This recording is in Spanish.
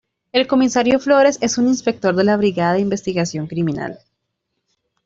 El comisario Flores es un inspector de la Brigada de Investigación Criminal.